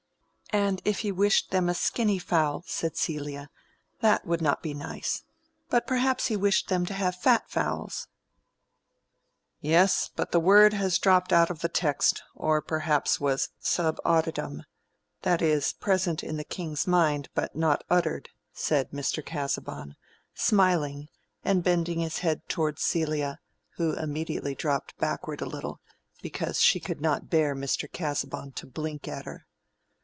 "And if he wished them a skinny fowl," said Celia, "that would not be nice. But perhaps he wished them to have fat fowls." "Yes, but the word has dropped out of the text, or perhaps was subauditum; that is, present in the king's mind, but not uttered," said Mr. Casaubon, smiling and bending his head towards Celia, who immediately dropped backward a little, because she could not bear Mr. Casaubon to blink at her.